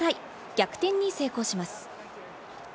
逆転に成功します。